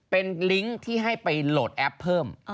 เป็นลิงก์ที่ให้ไปโหลดแอปเพิ่ม